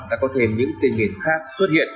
đã có thêm những tên miền khác xuất hiện